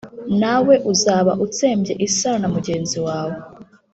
nawe uzaba utsembye isano na mugenzi wawe.